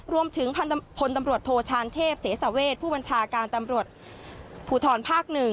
รวมถึงพลตำรวจโทชานเทพเสสาเวชผู้บัญชาการตำรวจภูทรภาค๑